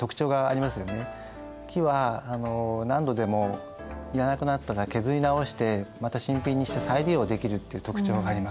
木は何度でもいらなくなったら削り直してまた新品にして再利用できるっていう特長があります。